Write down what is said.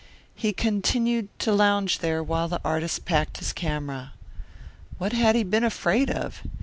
He continued to lounge there while the artist packed his camera. What had he been afraid of?